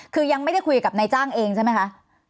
คือยังไม่ได้คุยกับนายจ้างเองใช่ไหมคะ